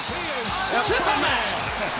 スーパーマン！